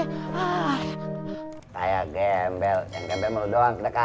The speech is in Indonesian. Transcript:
ah kayak gembel yang gembel mau lu doang kita kagak